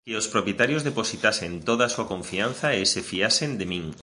...que os propietarios depositasen toda a súa confianza e se fiasen de min...